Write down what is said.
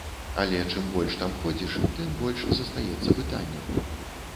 Але чым больш там ходзіш, тым больш застаецца пытанняў.